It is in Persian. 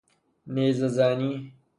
نیزه زنی